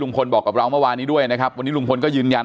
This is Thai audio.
บอกกับเราเมื่อวานี้ด้วยนะครับวันนี้ลุงพลก็ยืนยัน